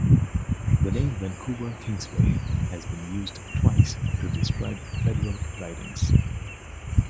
The name "Vancouver Kingsway" has been used twice to describe federal ridings.